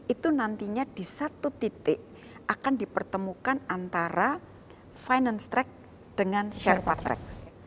itu nantinya di satu titik akan dipertemukan antara finance track dengan sherpa track